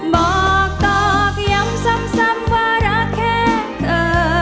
บอกตอกย้ำซ้ำว่ารักแค่เธอ